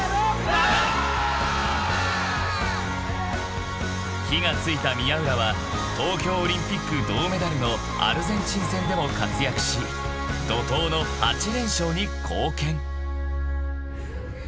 ７！［火が付いた宮浦は東京オリンピック銅メダルのアルゼンチン戦でも活躍し怒濤の８連勝に貢献］